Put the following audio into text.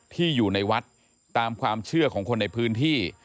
ที่อยู่ในวัดตามความเชื่อของคนในพื้นที่